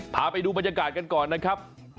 พาไปดูบรรยากาศกันก่อนนะครับ